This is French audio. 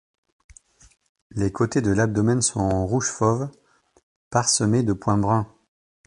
Les côtés de l'abdomen sont rouge fauve parsemés de points bruns.